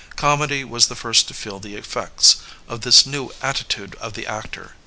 Comedy was the first to feel the effects of this new attitude of the actor.